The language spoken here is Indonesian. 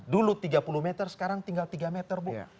dulu tiga puluh meter sekarang tinggal tiga meter bu